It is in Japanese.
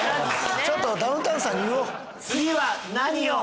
ちょっとダウンタウンさんに言おう。